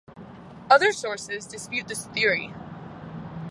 Other sources dispute this theory.